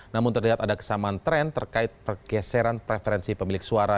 namun terlihat ada kesamaan tren terkait pergeseran preferensi pemilik suara